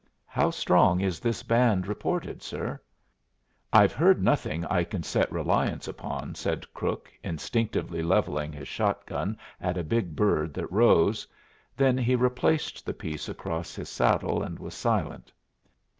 "How strong is this band reported, sir?" "I've heard nothing I can set reliance upon," said Crook, instinctively levelling his shot gun at a big bird that rose; then he replaced the piece across his saddle and was silent.